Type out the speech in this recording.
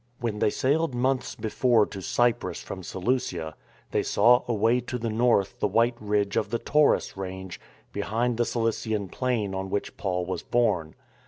When they sailed months before to Cyprus from Seleucia, they saw away to the north the white ridge of the Taurus range behind the Cilician plain on which Paul was born.